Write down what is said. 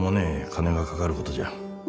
金がかかることじゃ。